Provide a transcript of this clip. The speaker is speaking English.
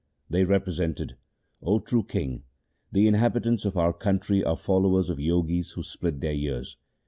They represented, ' O true king, the inhabitants of our country are followers of Jogis who split their ears.